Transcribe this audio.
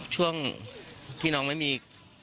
ช่วงที่น้องไม่มี